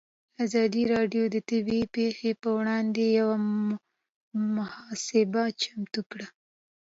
ازادي راډیو د طبیعي پېښې پر وړاندې یوه مباحثه چمتو کړې.